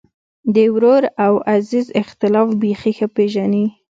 د ورور او عزیز اختلاف بېخي ښه پېژني.